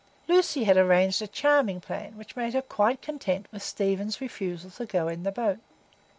Lucy had arranged a charming plan, which had made her quite content with Stephen's refusal to go in the boat.